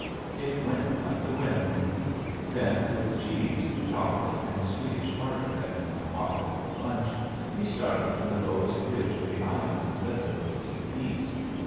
It went like the wind. Then with cheese, chocolate, and Swedish hard bread in my pocket for a lunch we started for the lowest ridge of the island that overlooks the east.